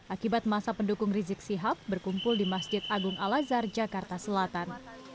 akibat masa pendukung rizik sihab berkumpul di masjid agung al azhar jakarta selatan